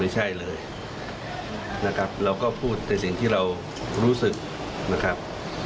เลยนะครับเราก็พูดในสิ่งที่เรารู้สึกนะครับ